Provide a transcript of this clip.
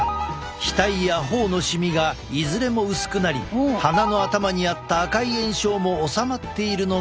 額や頬のシミがいずれも薄くなり鼻の頭にあった赤い炎症も治まっているのが分かる。